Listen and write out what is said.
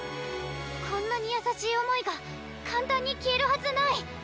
こんなにやさしい思いが簡単に消えるはずない！